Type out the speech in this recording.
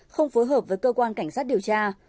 không phối hợp với cơ quan cảnh sát điều tra